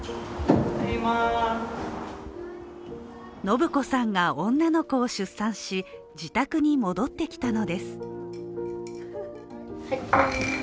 のぶこさんが女の子を出産し、自宅に戻ってきたのです。